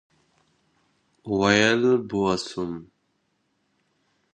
ویل بوه سوم.